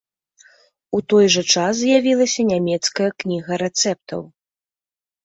У той жа час з'явілася нямецкая кніга рэцэптаў.